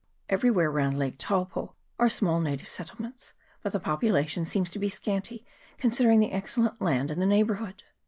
Everywhere round Lake Taupo are small native settlements, but the population seems to be scanty, considering the excellent land in the neighbour hood.